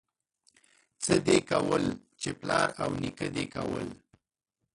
څه دي کول، چې پلار او نيکه دي کول.